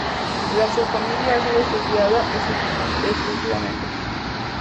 La subfamilia ha sido estudiada extensivamente.